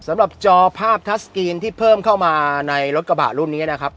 สำหรับจอภาพทัศกรีนที่เพิ่มเข้ามาในรถกระบะรุ่นนี้นะครับ